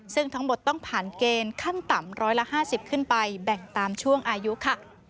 ซึ่งทั้งหมดต้องผ่านเกณฑ์ขั้นต่ำ๑๕๐ขึ้นไปแบ่งตามช่วงอายุค่ะ